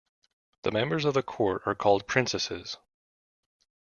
The members of the court are called princesses.